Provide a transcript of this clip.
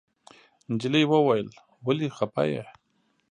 نجلۍ وويل ولې خپه يې.